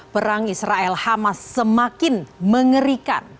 perang israel hamas semakin mengerikan